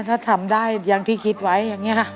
ถ้าทำได้อย่างที่คิดไว้อย่างนี้ค่ะ